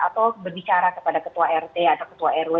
atau berbicara kepada ketua rt atau ketua rw